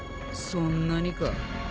そんなにか。